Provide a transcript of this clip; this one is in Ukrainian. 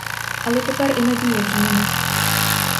Але тепер і надії вже нема.